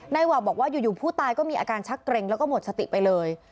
ว่าวบอกว่าอยู่ผู้ตายก็มีอาการชักเกร็งแล้วก็หมดสติไปเลย